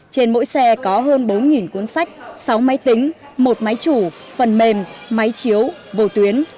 trên mỗi xe có hơn bốn cuốn sách sáu máy tính một máy chủ phần mềm máy chiếu vô tuyến